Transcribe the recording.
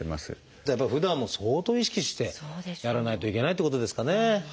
ふだんも相当意識してやらないといけないってことですかね。